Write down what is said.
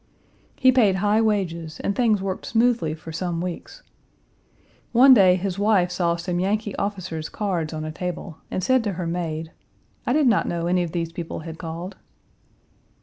He paid high wages and things worked smoothly for some weeks. One day his wife saw some Yankee officers' cards on a table, and said to her maid, "I did not know any of these people had called?"